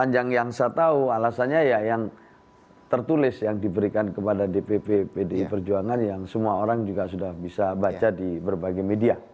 panjang yang saya tahu alasannya ya yang tertulis yang diberikan kepada dpp pdi perjuangan yang semua orang juga sudah bisa baca di berbagai media